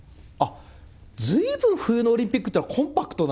ずいぶん冬のオリンピックっていうのはコンパクトな？